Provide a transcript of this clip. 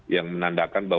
yang menandakan bahwa